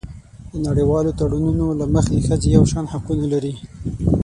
د نړیوالو تړونونو له مخې ښځې یو شان حقونه لري.